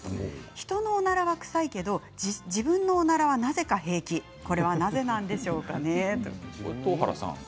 人のおならは臭いけど自分のおならはなぜか平気これは、なぜなんでしょうかね。